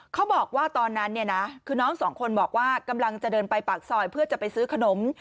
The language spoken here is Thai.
เขาบอกว่าตอนนั้นเนี่ยนะคือน้องสองคนบอกว่ากำลังจะเดินไปปากซอยเพื่อจะไปซื้อขนม